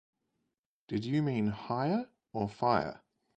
Did you mean "higher" or "fire"?